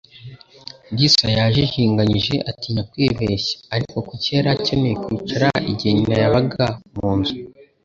Lisa yajijinganyije, atinya kwibeshya, ariko kuki yari akeneye kwicara igihe nyina yabaga mu nzu?